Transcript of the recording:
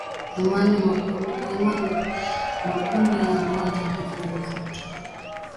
emanuel makundi ameandaa taarifa ifuatayo